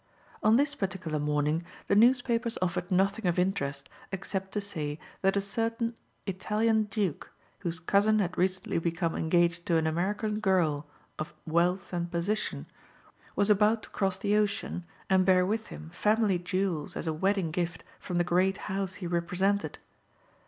On this particular morning the newspapers offered nothing of interest except to say that a certain Italian duke, whose cousin had recently become engaged to an American girl of wealth and position, was about to cross the ocean and bear with him family jewels as a wedding gift from the great house he represented.